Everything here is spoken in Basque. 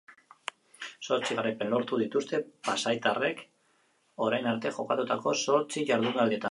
Zortzi garaipen lortu dituzte psaitarrek orain arte jokatutako zortzi jardunaldietan.